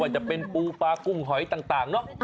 จะเป็นปูปลากุ้งหอยต่างเนอะ